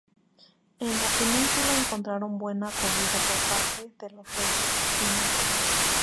En la península encontraron buena acogida por parte de los reyes y nobles.